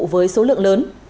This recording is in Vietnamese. với số lượng lớn